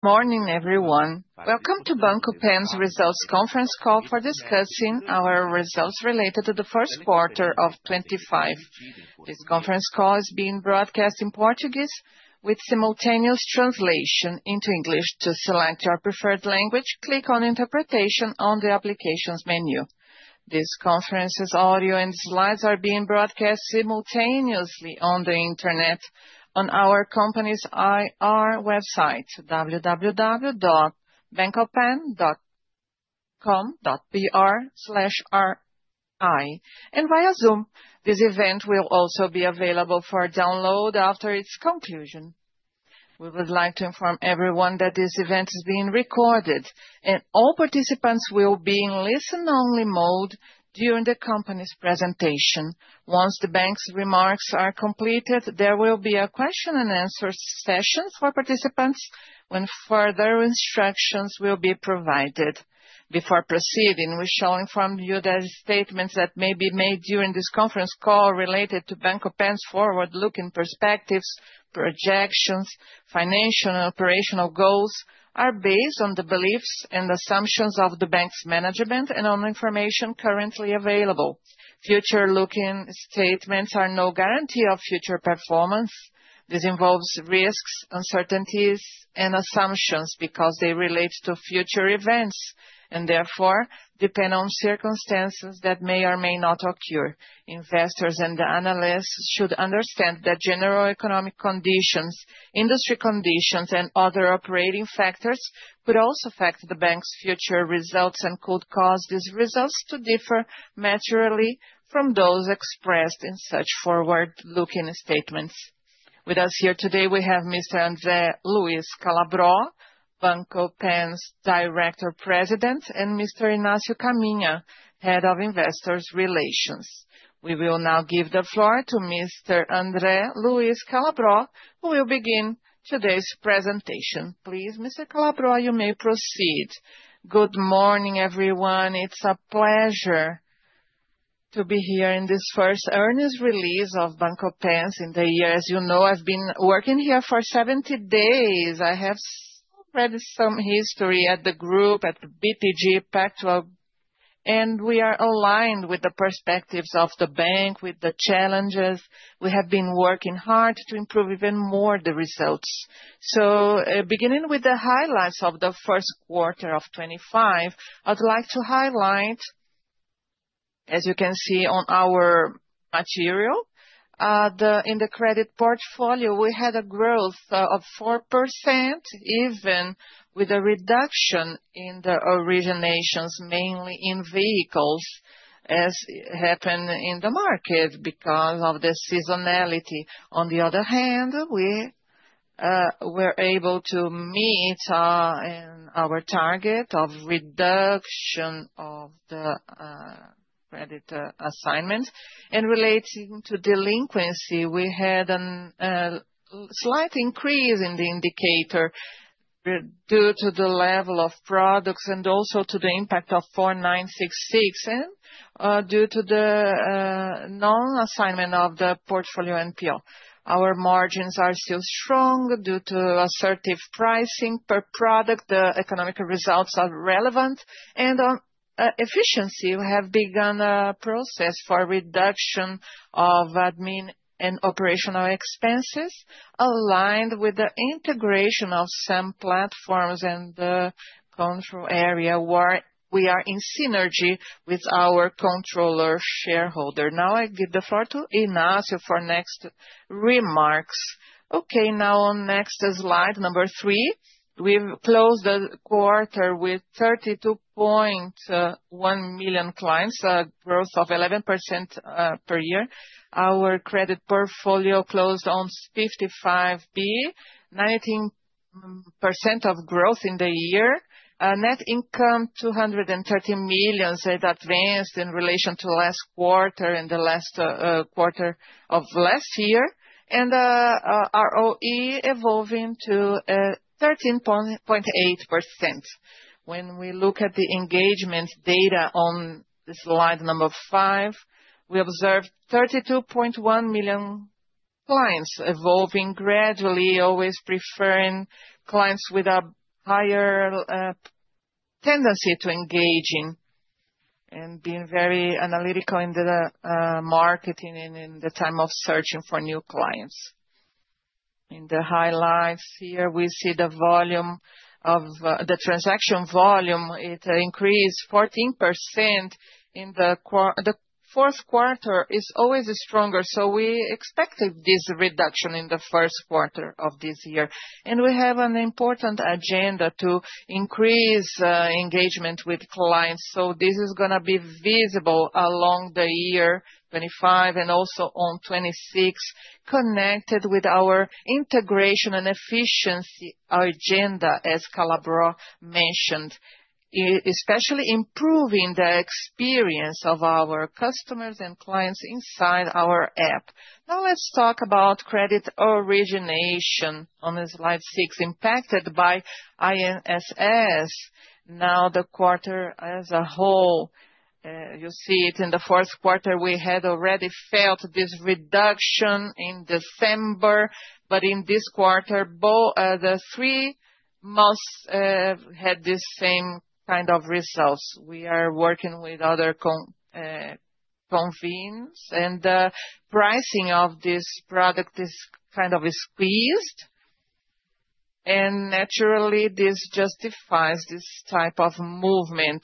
Good morning, everyone. Welcome to Banco Pan's results conference call for discussing our results related to the first quarter of 2025. This conference call is being broadcast in Portuguese with simultaneous translation into English. To select your preferred language, click on "Interpretation" on the application's menu. This conference's audio and slides are being broadcast simultaneously on the internet on our company's IR website, www.bancopan.com.br/ri, and via Zoom. This event will also be available for download after its conclusion. We would like to inform everyone that this event is being recorded, and all participants will be in listen-only mode during the company's presentation. Once the bank's remarks are completed, there will be a question-and-answer session for participants when further instructions will be provided. Before proceeding, we shall inform you that statements that may be made during this conference call related to Banco Pan's forward-looking perspectives, projections, financial and operational goals are based on the beliefs and assumptions of the bank's management and on information currently available. Future-looking statements are no guarantee of future performance. This involves risks, uncertainties, and assumptions because they relate to future events and therefore depend on circumstances that may or may not occur. Investors and analysts should understand that general economic conditions, industry conditions, and other operating factors could also affect the bank's future results and could cause these results to differ materially from those expressed in such forward-looking statements. With us here today, we have Mr. André Luís Calabro, Banco Pan's Director-President, and Mr. Inácio Caminha, Head of Investor Relations. We will now give the floor to Mr. André Luís Calabro, who will begin today's presentation. Please, Mr. Calabro, you may proceed. Good morning, everyone. It's a pleasure to be here in this first earnings release of Banco Pan. In the year, as you know, I've been working here for 70 days. I have read some history at the group, at the BTG Pactual, and we are aligned with the perspectives of the bank, with the challenges. We have been working hard to improve even more the results. Beginning with the highlights of the first quarter of 2025, I'd like to highlight, as you can see on our material, in the credit portfolio, we had a growth of 4%, even with a reduction in the originations, mainly in vehicles, as happened in the market because of the seasonality. On the other hand, we were able to meet our target of reduction of the credit assignment. Relating to delinquency, we had a slight increase in the indicator due to the level of products and also to the impact of 4966, and due to the non-assignment of the portfolio NPL. Our margins are still strong due to assertive pricing per product. The economic results are relevant, and on efficiency, we have begun a process for reduction of admin and operational expenses, aligned with the integration of some platforms and the control area where we are in synergy with our controlling shareholder. Now, I give the floor to Inácio for next remarks. Okay, now on next slide, number three, we have closed the quarter with 32.1 million clients, a growth of 11% per year. Our credit portfolio closed on 55 billion, 19% of growth in the year. Net income, 230 million advanced in relation to last quarter and the last quarter of last year, and ROE evolving to 13.48%. When we look at the engagement data on slide number five, we observed 32.1 million clients evolving gradually, always preferring clients with a higher tendency to engage in and being very analytical in the marketing and in the time of searching for new clients. In the highlights here, we see the volume of the transaction volume. It increased 14% in the fourth quarter. It is always stronger. We expected this reduction in the first quarter of this year. We have an important agenda to increase engagement with clients. This is going to be visible along the year 2025 and also on 2026, connected with our integration and efficiency agenda, as Calabro mentioned, especially improving the experience of our customers and clients inside our app. Now let's talk about credit origination on slide six, impacted by INSS. Now, the quarter as a whole, you see it in the fourth quarter, we had already felt this reduction in December, but in this quarter, the three months had the same kind of results. We are working with other convenience, and the pricing of this product is kind of squeezed. Naturally, this justifies this type of movement.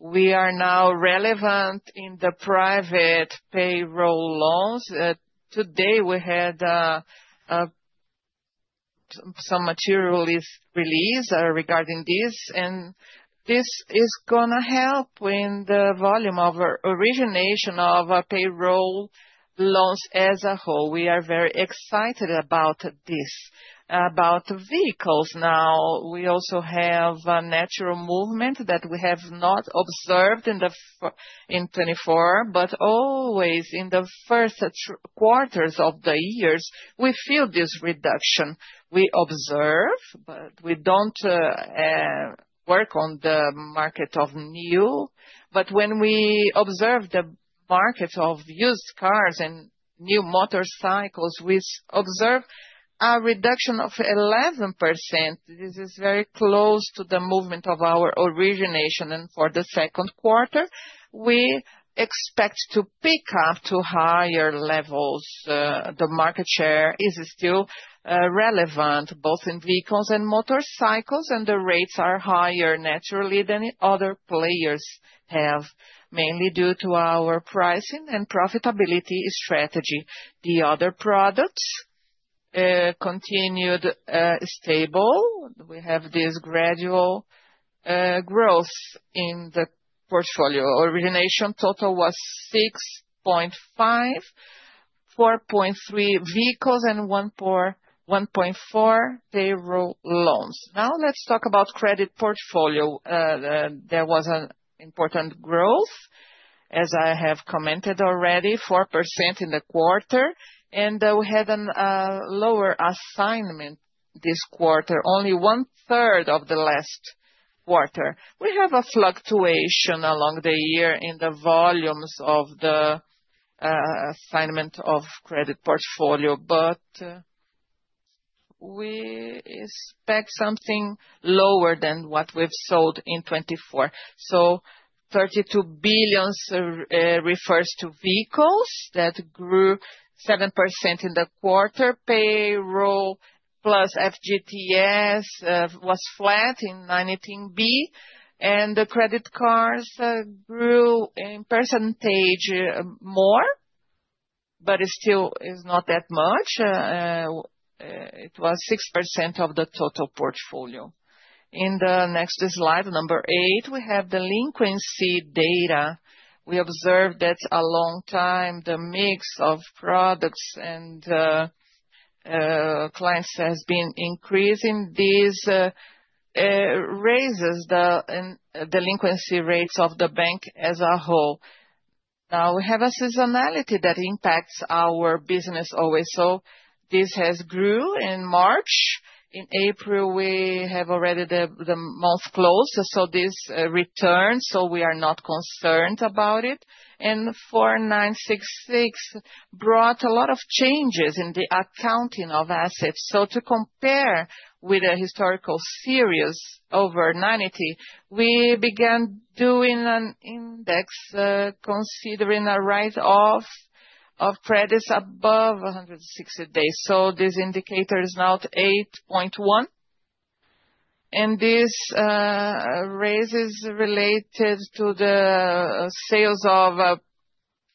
We are now relevant in the private payroll loans. Today, we had some material release regarding this, and this is going to help in the volume of origination of payroll loans as a whole. We are very excited about this, about vehicles. Now, we also have a natural movement that we have not observed in 2024, but always in the first quarters of the years, we feel this reduction. We observe, but we do not work on the market of new. When we observe the market of used cars and new motorcycles, we observe a reduction of 11%. This is very close to the movement of our origination. For the second quarter, we expect to pick up to higher levels. The market share is still relevant, both in vehicles and motorcycles, and the rates are higher naturally than other players have, mainly due to our pricing and profitability strategy. The other products continued stable. We have this gradual growth in the portfolio. Origination total was 6.5 billion, 4.3 billion vehicles, and 1.4 billion payroll loans. Now, let's talk about credit portfolio. There was an important growth, as I have commented already, 4% in the quarter, and we had a lower assignment this quarter, only 1/3 of the last quarter. We have a fluctuation along the year in the volumes of the assignment of credit portfolio, but we expect something lower than what we've sold in 2024. So 32 billion refers to vehicles that grew 7% in the quarter. Payroll plus FGTS was flat in 2019b, and the credit cards grew in percentage more, but it still is not that much. It was 6% of the total portfolio. In the next slide, number eight, we have delinquency data. We observed that a long time, the mix of products and clients has been increasing. This raises the delinquency rates of the bank as a whole. Now, we have a seasonality that impacts our business always. This has grew in March. In April, we have already the month closed. This returned, so we are not concerned about it. And 4966 brought a lot of changes in the accounting of assets. To compare with a historical series over 1990, we began doing an index considering a rate of credits above 160 days. This indicator is now 8.1. This raises related to the sales of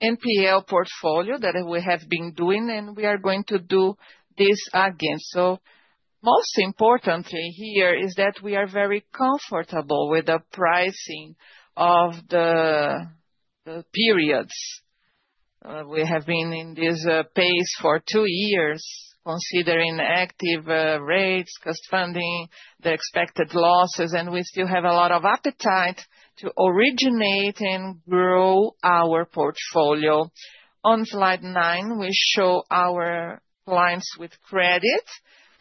NPL portfolio that we have been doing, and we are going to do this again. Most importantly here is that we are very comfortable with the pricing of the periods. We have been in this pace for two years, considering active rates, cost funding, the expected losses, and we still have a lot of appetite to originate and grow our portfolio. On slide nine, we show our clients with credit.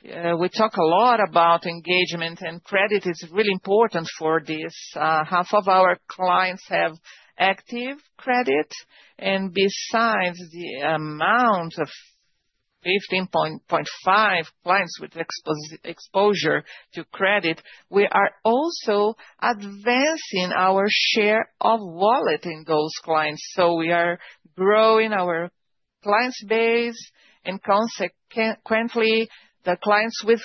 We talk a lot about engagement, and credit is really important for this. Half of our clients have active credit. Besides the amount of 15.45 million clients with exposure to credit, we are also advancing our share of wallet in those clients. We are growing our clients' base, and consequently, the clients with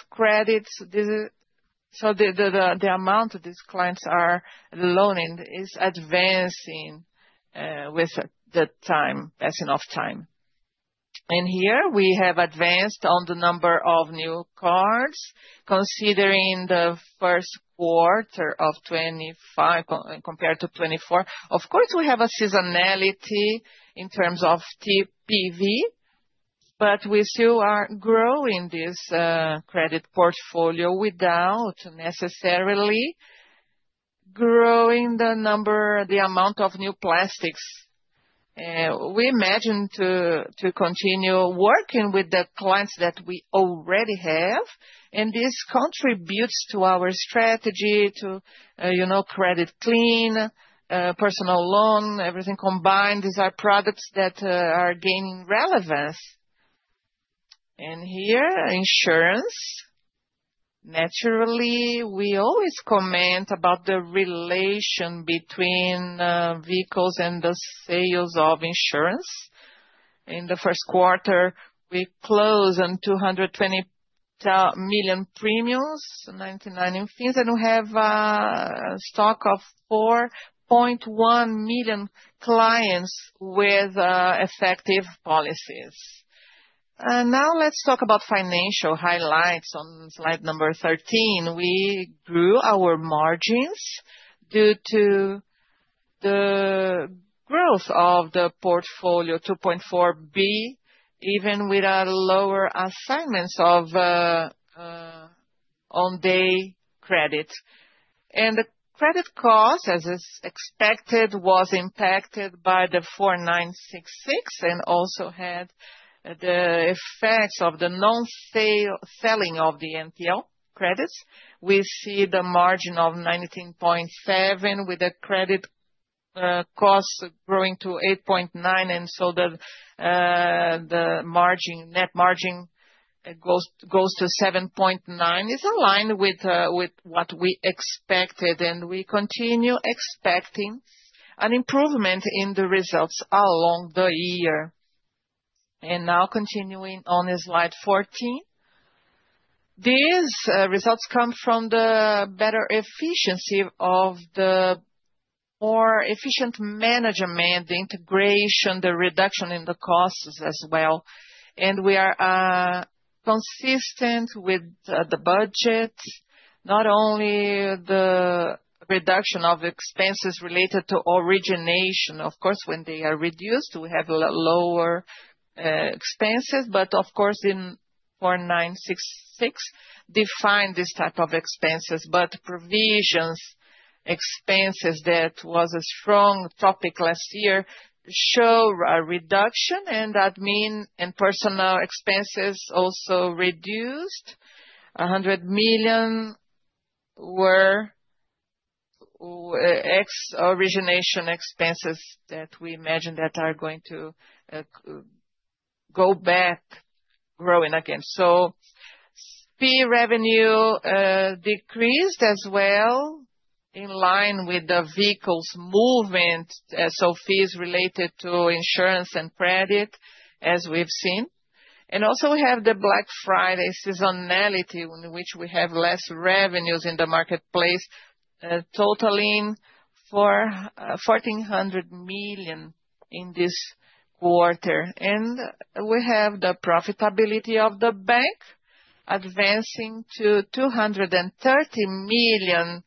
credits. The amount these clients are loaning is advancing with the passing of time. Here, we have advanced on the number of new cards, considering the first quarter of 2025 compared to 2024. Of course, we have a seasonality in terms of TPV, but we still are growing this credit portfolio without necessarily growing the number, the amount of new plastics. We imagine to continue working with the clients that we already have, and this contributes to our strategy to credit clean, personal loan, everything combined. These are products that are gaining relevance. Here, insurance, naturally, we always comment about the relation between vehicles and the sales of insurance. In the first quarter, we closed on 220 million premiums, 99 million in fees, and we have a stock of 4.1 million clients with effective policies. Now, let's talk about financial highlights on slide number 13. We grew our margins due to the growth of the portfolio, 2.4 billion, even with a lower assignment of on-day credit. The credit cost, as expected, was impacted by the 4966 and also had the effects of the non-selling of the NPL credits. We see the margin of 19.7 with the credit cost growing to 8.9 and so the net margin goes to 7.9, is aligned with what we expected, and we continue expecting an improvement in the results along the year. Now continuing on slide 14, these results come from the better efficiency of the more efficient management, the integration, the reduction in the costs as well. We are consistent with the budget, not only the reduction of expenses related to origination. Of course, when they are reduced, we have lower expenses, but of course, in 4966, defined this type of expenses, but provisions expenses that was a strong topic last year show a reduction, and that means personal expenses also reduced. 100 million were ex-origination expenses that we imagine that are going to go back, growing again. So fee revenue decreased as well in line with the vehicles movement, so fees related to insurance and credit, as we've seen. Also we have the Black Friday seasonality, in which we have less revenues in the marketplace, totaling 1,400 million in this quarter. We have the profitability of the bank advancing to 230 million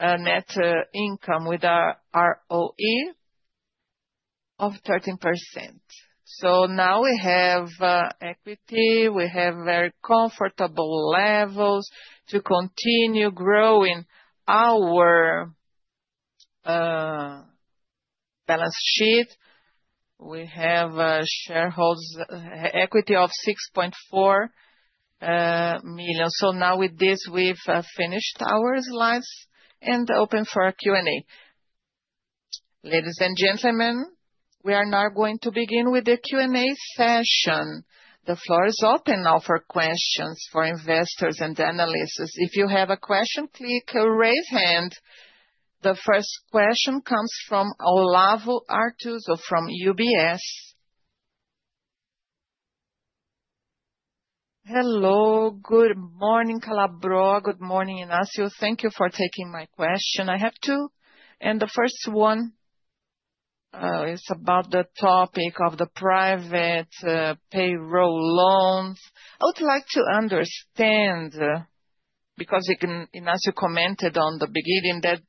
net income with ROE of 13%. Now we have equity, we have very comfortable levels to continue growing our balance sheet. We have a shareholder equity of 6.4 billion. Now with this, we've finished our slides and open for a Q&A. Ladies and gentlemen, we are now going to begin with the Q&A session. The floor is open now for questions for investors and analysts. If you have a question, click raise hand. The first question comes from Olavo Arthuzo from UBS. Hello, good morning, Calabro. Good morning, Inácio. Thank you for taking my question. I have two. The first one is about the topic of the private payroll loans. I would like to understand, because Inácio commented on the beginning that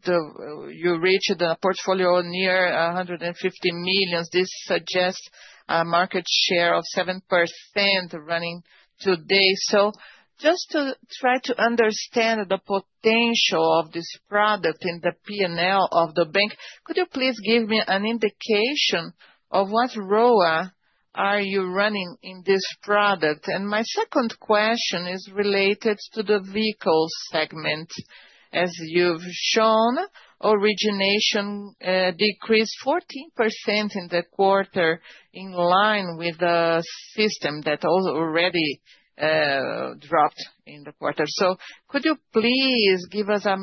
you reached the portfolio near 150 million. This suggests a market share of 7% running today. Just to try to understand the potential of this product in the P&L of the bank, could you please give me an indication of what ROA are you running in this product? My second question is related to the vehicle segment. As you have shown, origination decreased 14% in the quarter in line with the system that already dropped in the quarter. Could you please give us a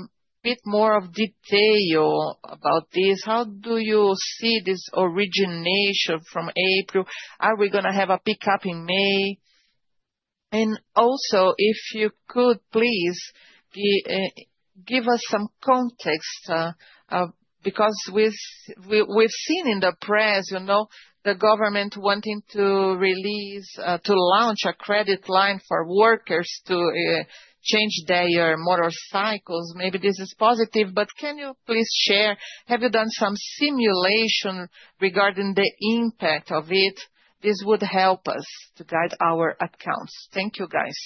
bit more detail about this? How do you see this origination from April? Are we going to have a pickup in May? Also, if you could, please give us some context, because we have seen in the press the government wanting to release, to launch a credit line for workers to change their motorcycles. Maybe this is positive, but can you please share? Have you done some simulation regarding the impact of it? This would help us to guide our accounts. Thank you, guys.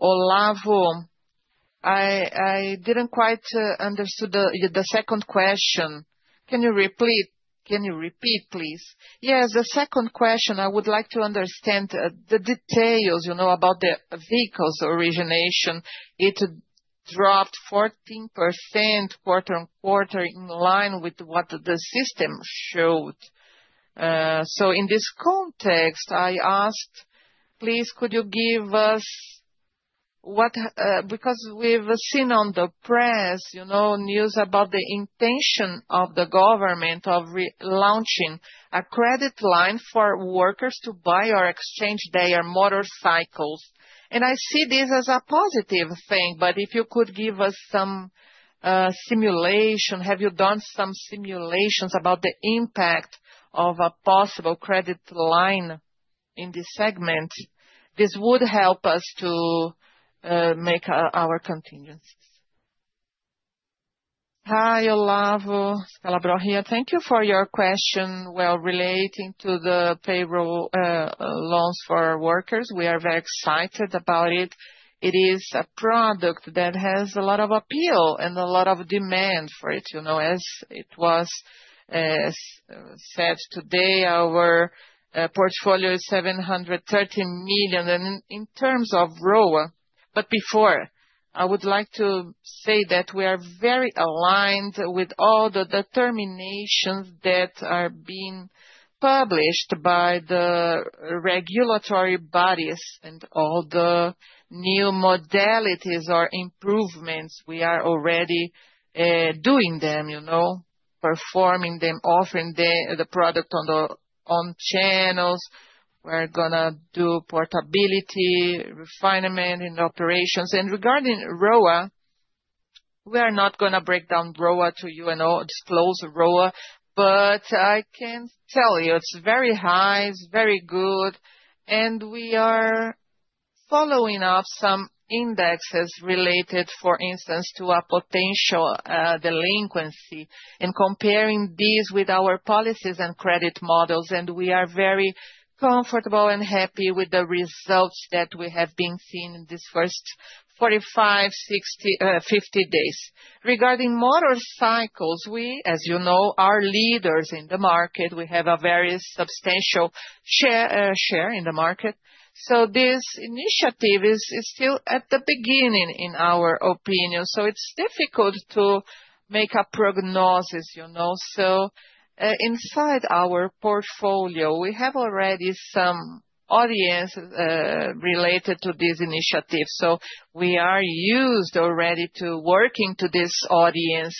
Olavo, I did not quite understand the second question. Can you repeat, please? Yes, the second question, I would like to understand the details about the vehicles' origination. It dropped 14% quarter on quarter in line with what the system showed. In this context, I asked, please, could you give us what? Because we have seen on the press news about the intention of the government of launching a credit line for workers to buy or exchange their motorcycles. I see this as a positive thing, but if you could give us some simulation, have you done some simulations about the impact of a possible credit line in this segment? This would help us to make our contingencies. Hi, Olavo, Calabro here. Thank you for your question. Relating to the payroll loans for workers, we are very excited about it. It is a product that has a lot of appeal and a lot of demand for it. As it was said today, our portfolio is 730 million. In terms of ROA, before, I would like to say that we are very aligned with all the determinations that are being published by the regulatory bodies and all the new modalities or improvements. We are already doing them, performing them, offering the product on channels. We are going to do portability, refinement, and operations. Regarding ROA, we are not going to break down ROA to you and disclose ROA, but I can tell you it is very high, it is very good, and we are following up some indexes related, for instance, to a potential delinquency and comparing these with our policies and credit models. We are very comfortable and happy with the results that we have been seeing in these first 45, 60, 50 days. Regarding motorcycles, we, as you know, are leaders in the market. We have a very substantial share in the market. This initiative is still at the beginning, in our opinion. It is difficult to make a prognosis. Inside our portfolio, we have already some audience related to this initiative. We are used already to working to this audience.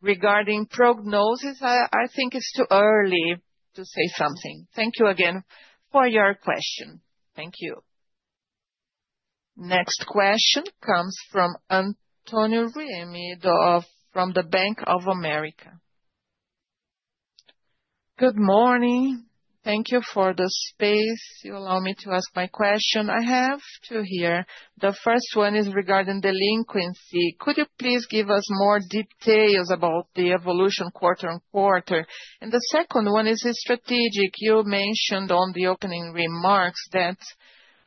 Regarding prognosis, I think it is too early to say something. Thank you again for your question. Thank you. Next question comes from Antonio Romero from Bank of America. Good morning. Thank you for the space. You allow me to ask my question. I have two here. The first one is regarding delinquency. Could you please give us more details about the evolution quarter on quarter? The second one is strategic. You mentioned on the opening remarks that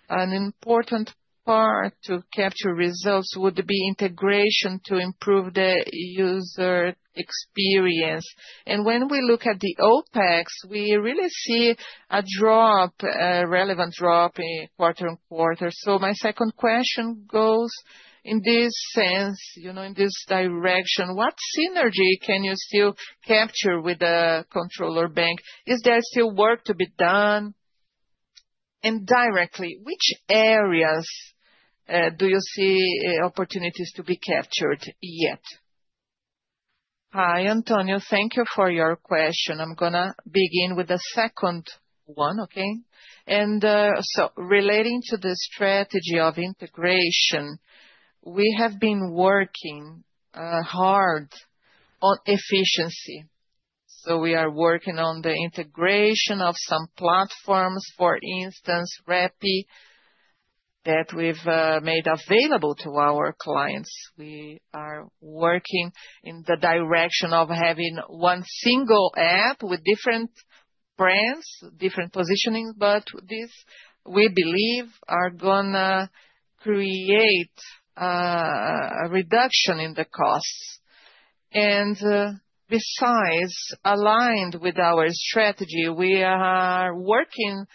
an important part to capture results would be integration to improve the user experience. When we look at the OpEx, we really see a relevant drop quarter on quarter. My second question goes in this sense, in this direction. What synergy can you still capture with the controller bank? Is there still work to be done? Directly, which areas do you see opportunities to be captured yet? Hi, Antonio. Thank you for your question. I'm going to begin with the second one, okay? Relating to the strategy of integration, we have been working hard on efficiency. We are working on the integration of some platforms, for instance, REPI, that we've made available to our clients. We are working in the direction of having one single app with different brands, different positionings, but this, we believe, is going to create a reduction in the costs. Besides, aligned with our strategy, we are working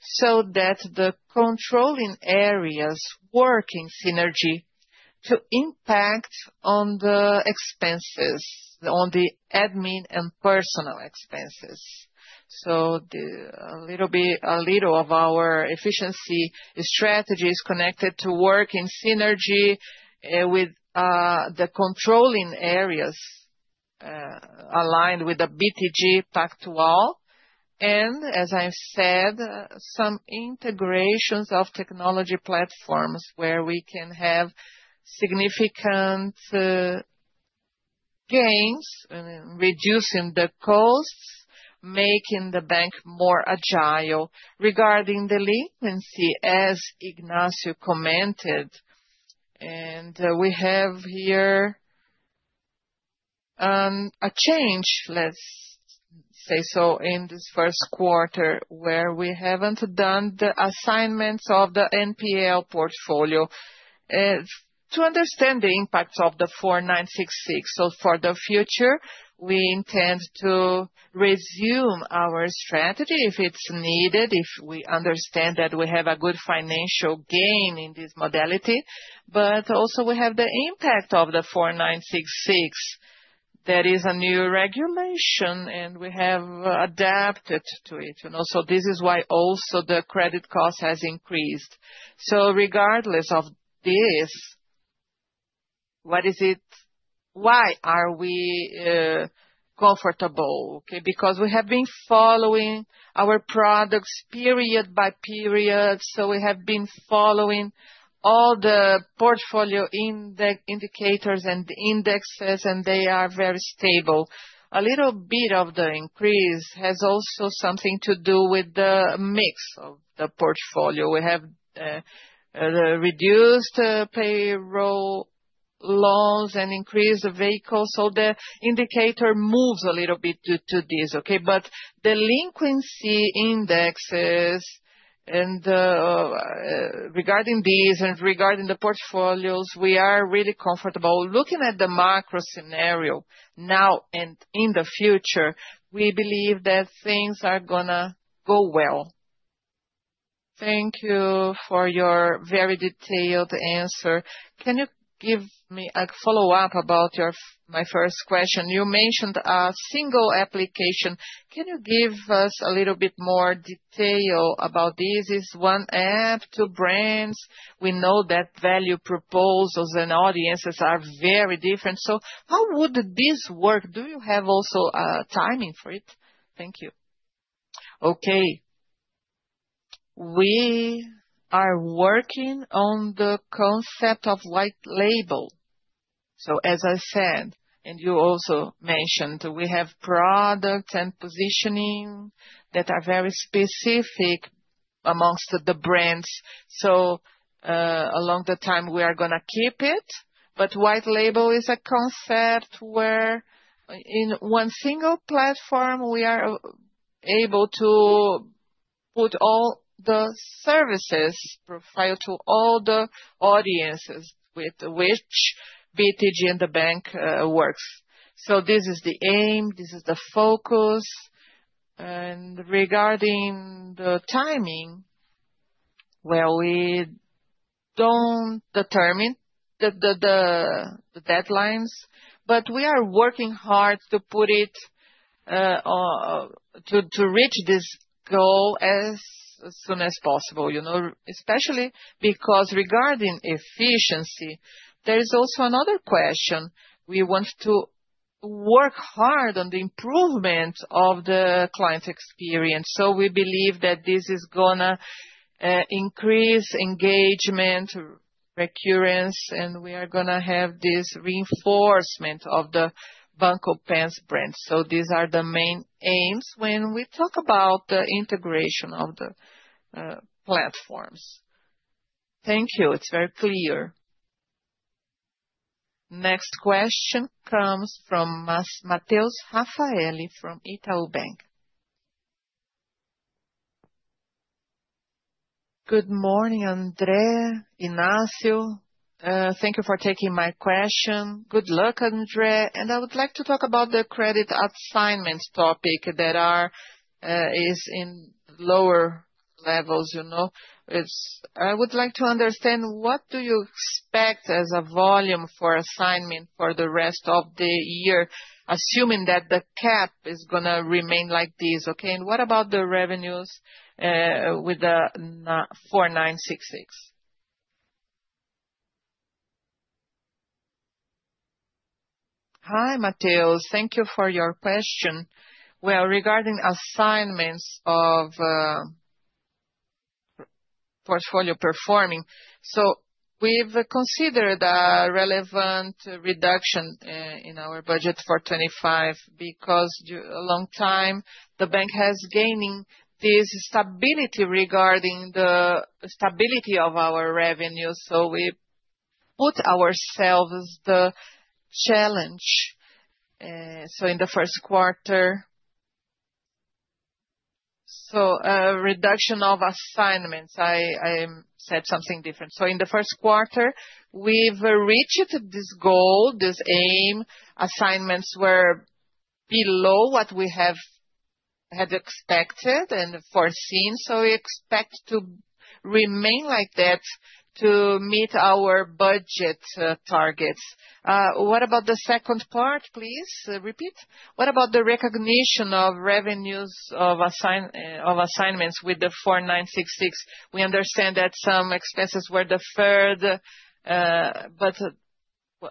so that the controlling areas work in synergy to impact on the expenses, on the admin and personal expenses. A little bit of our efficiency strategy is connected to work in synergy with the controlling areas aligned with BTG Pactual. As I said, some integrations of technology platforms where we can have significant gains and reducing the costs, making the bank more agile. Regarding delinquency, as Inácio commented, we have here a change, let's say, in this first quarter where we have not done the assignments of the NPL portfolio. To understand the impact of 4966, for the future, we intend to resume our strategy if it is needed, if we understand that we have a good financial gain in this modality. We also have the impact of 4966. There is a new regulation, and we have adapted to it. This is why also the credit cost has increased. Regardless of this, why are we comfortable? We have been following our products period by period. We have been following all the portfolio indicators and indexes, and they are very stable. A little bit of the increase has also something to do with the mix of the portfolio. We have reduced payroll loans and increased vehicles. The indicator moves a little bit to this. Delinquency indexes and regarding these and regarding the portfolios, we are really comfortable looking at the macro scenario now and in the future. We believe that things are gonna go well. Thank you for your very detailed answer. Can you give me a follow-up about my first question? You mentioned a single application. Can you give us a little bit more detail about this? It's one app to brands. We know that value proposals and audiences are very different. How would this work? Do you have also timing for it? Thank you. ' Okay. We are working on the concept of white label. As I said, and you also mentioned, do we have products and positioning that are very specific amongst the brands? Along the time, we are going to keep it. White label is a concept where in one single platform, we are able to put all the services profile to all the audiences with which BTG and the bank works. This is the aim, this is the focus. Regarding the timing, we do not determine the deadlines, but we are working hard to out to put it or to reach this goal as soon as possible, especially because regarding efficiency, there is also another question. We want to work hard on the improvement of the client experience. We believe that this is going to increase engagement, recurrence, and we are going to have this reinforcement of the Banco Pan's brand. These are the main aims when we talk about the integration of the platforms. Thank you. It is very clear. Next question comes from Mateus Raffaelli from Itaú Bank. Good morning, André. Inácio, thank you for taking my question. Good luck, André. I would like to talk about the credit assignments topic that is in lower levels. I would like to understand what do you expect as a volume for assignment for the rest of the year, assuming that the cap is going to remain like this. Okay. And what about the revenues with the 4966? Hi, Mateus. Thank you for your question. Regarding assignments of portfolio performing, we have considered a relevant reduction in our budget for 2025 because a long time the bank has gained this stability regarding the stability of our revenue. We put ourselves the challenge. In the first quarter, reduction of assignments, I said something different. In the first quarter, we have reached this goal, this aim. Assignments were below what we had expected and foreseen. We expect to remain like that to meet our budget targets. What about the second part, please? Repeat. What about the recognition of revenues of assignments with the 4966? We understand that some expenses were deferred, but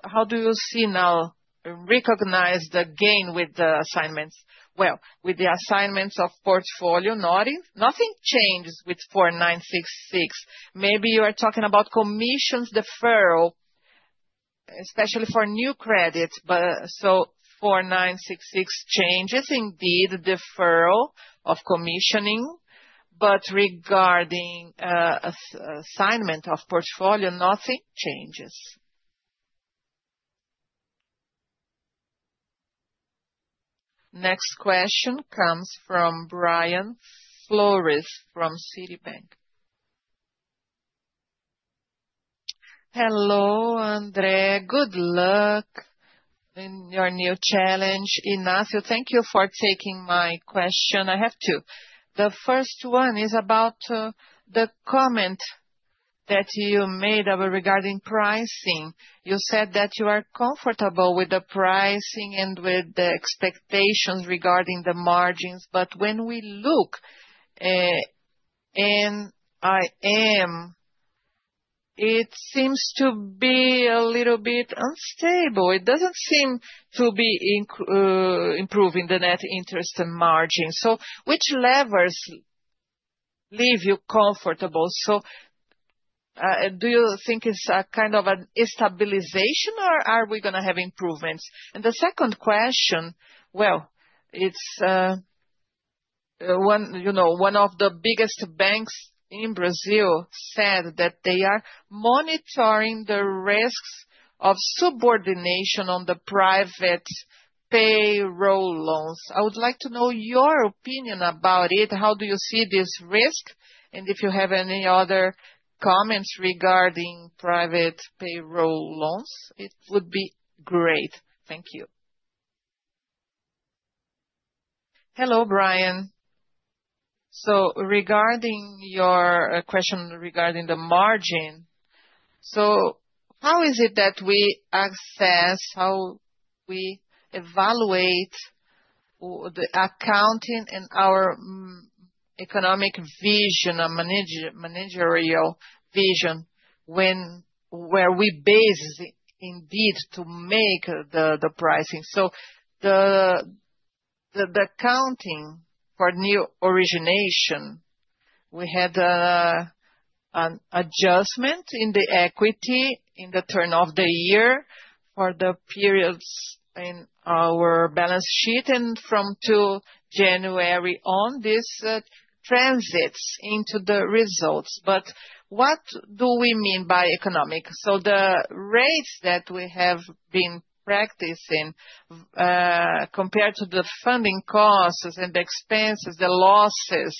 how do you see now recognized the gain with the assignments? With the assignments of portfolio, nothing changed with 4966. Maybe you are talking about commissions deferral, especially for new credit. 4966 changes indeed deferral of commissioning, but regarding assignment of portfolio, nothing changes. Next question comes from Brian Flores from Citibank. Hello, André. Good luck in your new challenge. Inácio, thank you for taking my question. I have two. The first one is about the comment that you made regarding pricing. You said that you are comfortable with the pricing and with the expectations regarding the margins. When we look in IM, it seems to be a little bit unstable. It does not seem to be improving the net interest and margin. Which levers leave you comfortable? Do you think it is a kind of a stabilization, or are we going to have improvements? The second question, one of the biggest banks in Brazil said that they are monitoring the risks of subordination on the private payroll loans. I would like to know your opinion about it. How do you see this risk? If you have any other comments regarding private payroll loans, it would be great. Thank you. Hello, Brian. Regarding your question regarding the margin, how is it that we access, how we evaluate the accounting and our economic vision, a managerial vision where we base indeed to make the pricing? The accounting for new origination, we had an adjustment in the equity in the turn of the year for the periods in our balance sheet. From January on, this transits into the results. What do we mean by economic? The rates that we have been practicing compared to the funding costs and the expenses, the losses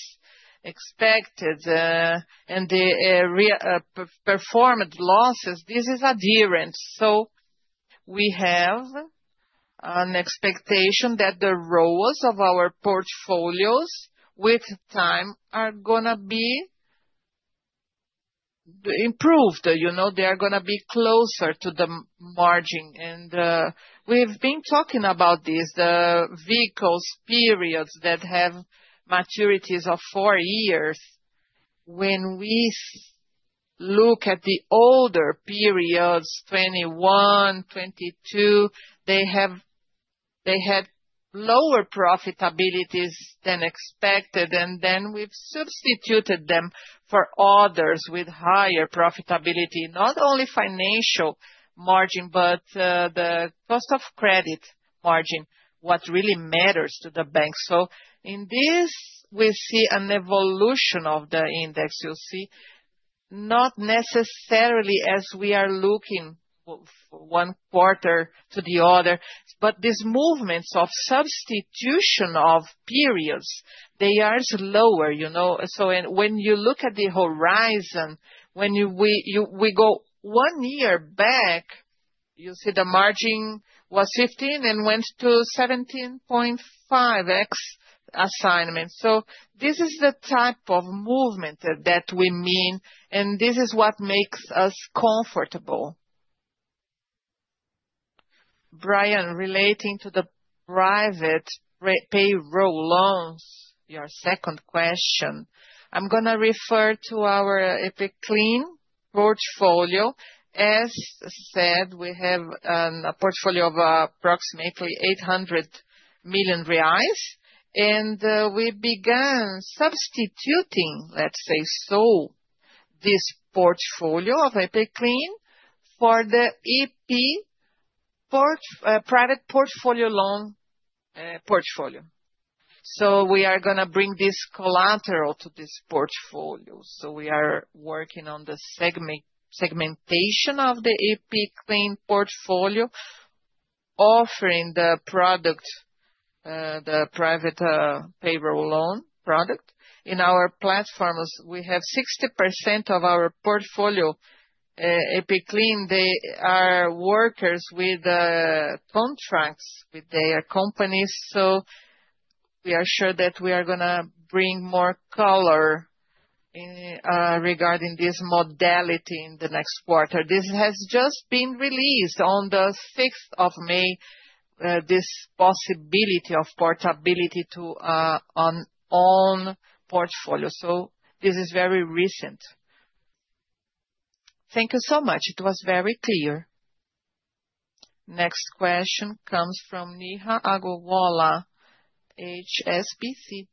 expected, and the performed losses, this is adherent. We have an expectation that the roles of our portfolios with time are going to be improved. They are going to be closer to the margin. We have been talking about this, the vehicles periods that have maturities of four years. When we look at the older periods, 2021, 2022, they had lower profitabilities than expected. We have substituted them for others with higher profitability, not only financial margin, but the cost of credit margin, what really matters to the bank. In this, we see an evolution of the index. You will see not necessarily as we are looking one quarter to the other, but these movements of substitution of periods, they are slower. When you look at the horizon, when we go one year back, you see the margin was 15 and went to 17.5x assignment. This is the type of movement that we mean, and this is what makes us comfortable. Brian, relating to the private payroll loans, your second question, I'm going to refer to our Epiclean portfolio. As said, we have a portfolio of approximately EUR 800 million. We began substituting, let's say, this portfolio of Epiclean for the EP private portfolio loan portfolio. We are going to bring this collateral to this portfolio. We are working on the segmentation of the Epiclean portfolio, offering the product, the private payroll loan product. In our platforms, we have 60% of our portfolio Epiclean. They are workers with contracts with their companies. We are sure that we are going to bring more color regarding this modality in the next quarter. This has just been released on the 6th of May, this possibility of portability to an own portfolio. This is very recent. Thank you so much. It was very clear. Next question comes from Neha Agarwala, HSBC.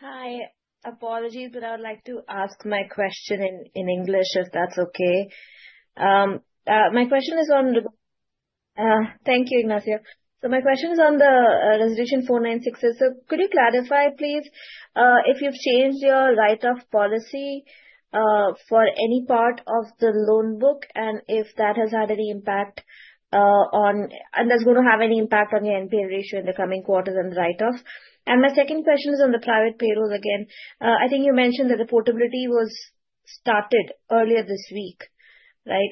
Hi. Apologies, but I would like to ask my question in English, if that's okay. My question is on the thank you, Inácio. My question is on the resolution 4966. Could you clarify, please, if you've changed your write-off policy for any part of the loan book and if that has had any impact on and if that's going to have any impact on your NPA ratio in the coming quarters and the write-off? My second question is on the private payrolls again. I think you mentioned that the portability was started earlier this week, right?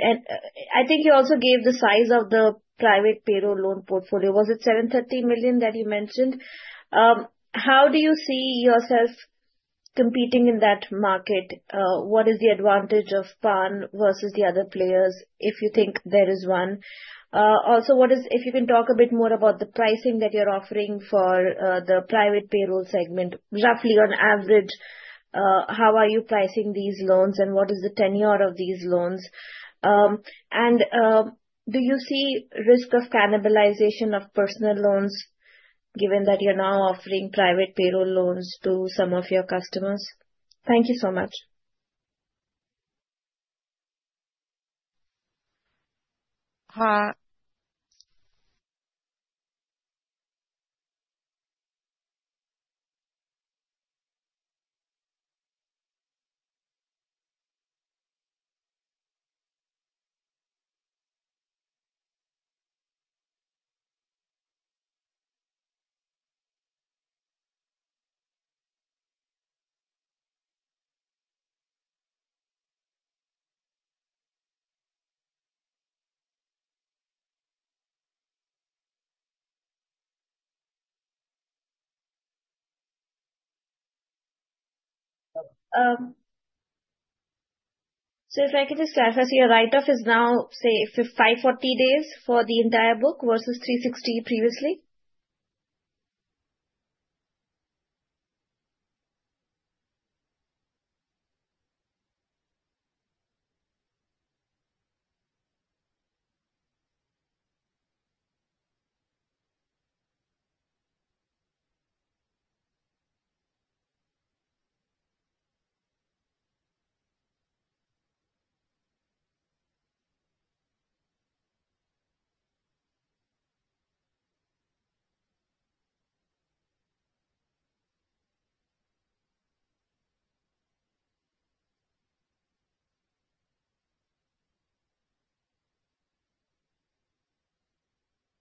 I think you also gave the size of the private payroll loan portfolio. Was it 730 million that you mentioned? How do you see yourself competing in that market? What is the advantage of Pan versus the other players, if you think there is one? If you can talk a bit more about the pricing that you are offering for the private payroll segment, roughly on average, how are you pricing these loans and what is the tenure of these loans? Do you see risk of cannibalization of personal loans given that you are now offering private payroll loans to some of your customers? Thank you so much. If I can just clarify, your write-off is now, say, 540 days for the entire book versus 360 previously?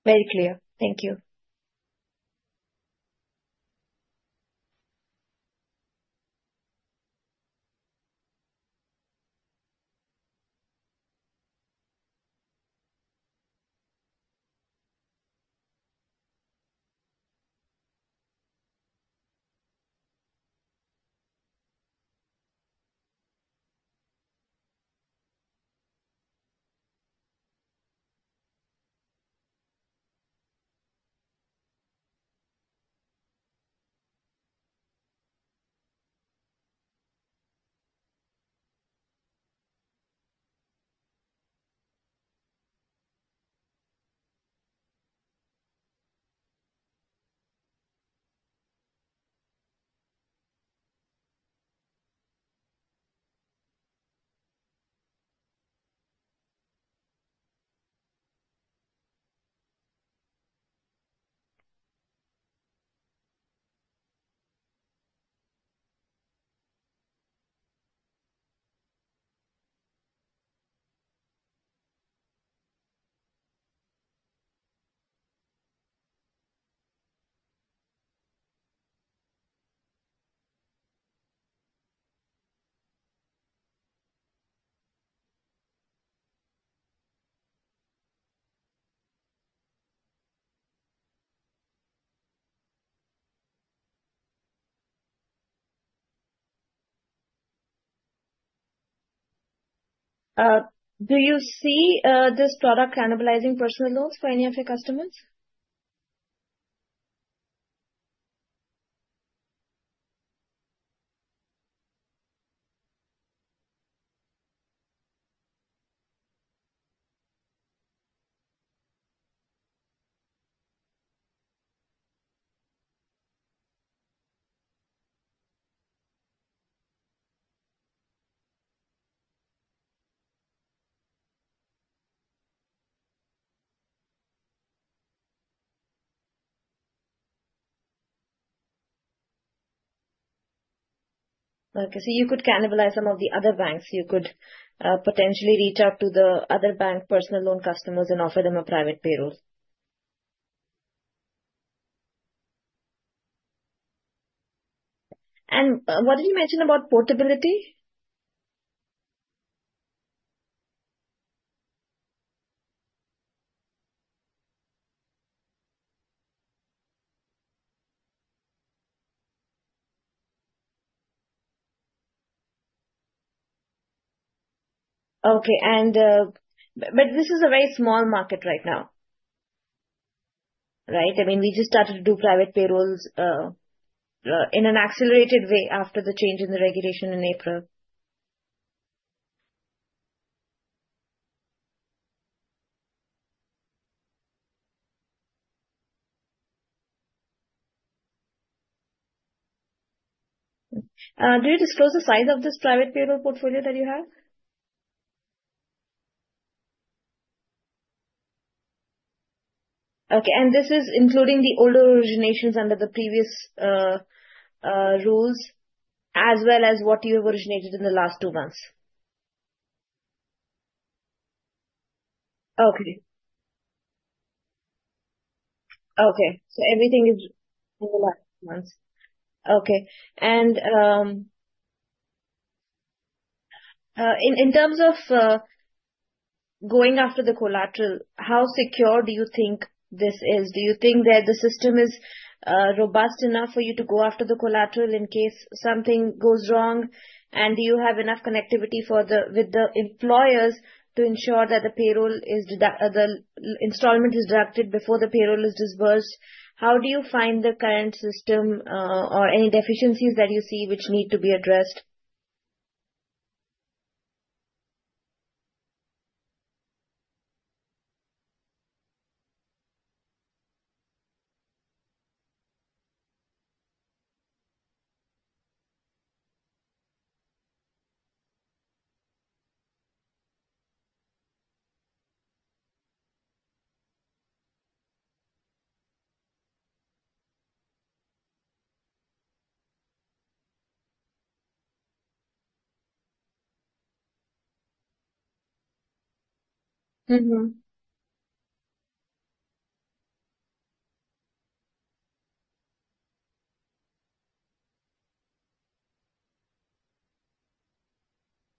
Very clear. Thank you. Do you see this product cannibalizing personal loans for any of your customers? Okay. You could cannibalize some of the other banks. You could potentially reach out to the other bank personal loan customers and offer them a private payroll. What did you mention about portability? Okay. This is a very small market right now, right? I mean, we just started to do private payrolls in an accelerated way after the change in the regulation in April. Do you disclose the size of this private payroll portfolio that you have? Okay. This is including the older originations under the previous rules as well as what you have originated in the last two months? Okay. Okay. Everything is in the last two months. Okay. In terms of going after the collateral, how secure do you think this is? Do you think that the system is robust enough for you to go after the collateral in case something goes wrong? Do you have enough connectivity with the employers to ensure that the payroll installment is directed before the payroll is disbursed? How do you find the current system or any deficiencies that you see which need to be addressed?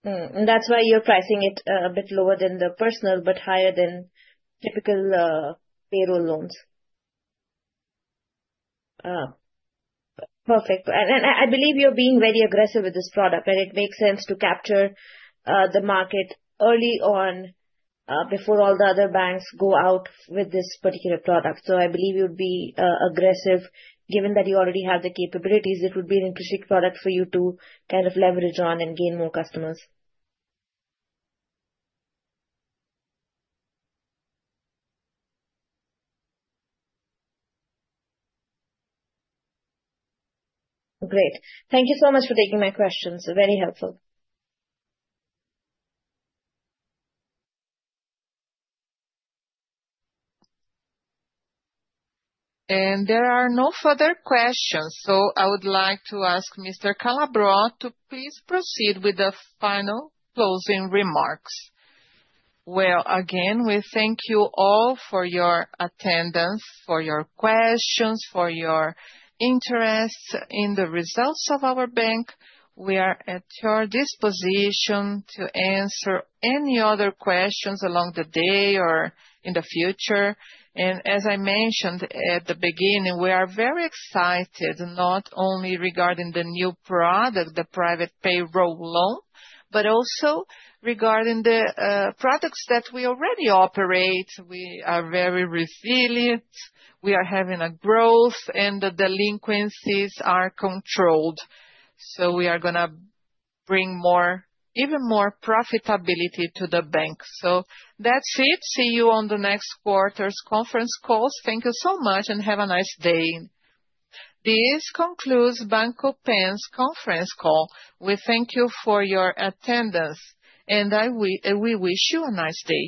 That is why you are pricing it a bit lower than the personal, but higher than typical payroll loans. Perfect. I believe you are being very aggressive with this product, and it makes sense to capture the market early on before all the other banks go out with this particular product. I believe you would be aggressive. Given that you already have the capabilities, it would be an interesting product for you to kind of leverage on and gain more customers. Great. Thank you so much for taking my questions. Very helpful. There are no further questions. I would like to ask Mr. Calabro to please proceed with the final closing remarks. Again, we thank you all for your attendance, for your questions, for your interest in the results of our bank. We are at your disposition to answer any other questions along the day or in the future. As I mentioned at the beginning, we are very excited not only regarding the new product, the private payroll loan, but also regarding the products that we already operate. We are very resilient. We are having a growth, and the delinquencies are controlled. We are going to bring even more profitability to the bank. That is it. See you on the next quarter's conference calls. Thank you so much, and have a nice day. This concludes Banco Pan's conference call. We thank you for your attendance, and we wish you a nice day.